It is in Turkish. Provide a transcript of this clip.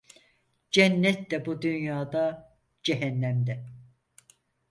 Cennet de bu dünyada cehennem de.